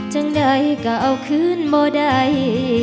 จนใดก็เอาขึ้นโบได